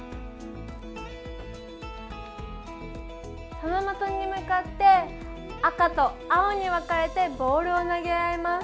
その的に向かって赤と青に分かれてボールを投げ合います。